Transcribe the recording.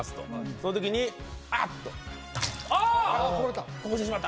その時にあっと！